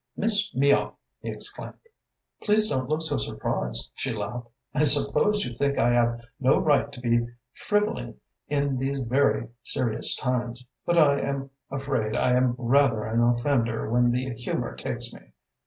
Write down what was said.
"Miss Miall!" he exclaimed. "Please don't look so surprised," she laughed. "I suppose you think I have no right to be frivolling in these very serious times, but I am afraid I am rather an offender when the humour takes me.